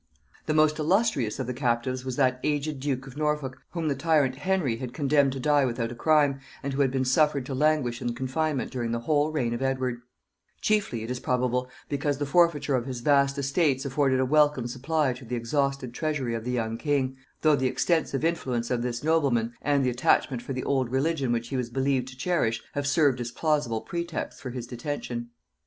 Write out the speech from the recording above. The most illustrious of the captives was that aged duke of Norfolk whom the tyrant Henry had condemned to die without a crime, and who had been suffered to languish in confinement during the whole reign of Edward; chiefly, it is probable, because the forfeiture of his vast estates afforded a welcome supply to the exhausted treasury of the young king; though the extensive influence of this nobleman, and the attachment for the old religion which he was believed to cherish, had served as plausible pretexts for his detention.